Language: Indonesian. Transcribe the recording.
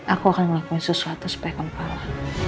aku akan ngelakuin sesuatu supaya kau kepala